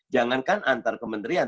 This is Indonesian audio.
jangankan antar kementerian